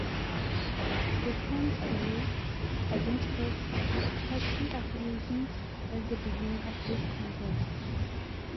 The count below identifies party affiliations at the beginning of this Congress.